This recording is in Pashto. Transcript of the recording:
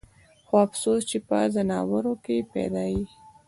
خو افسوس چې پۀ ځناورو کښې پېدا ئې